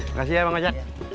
makasih ya bang ajan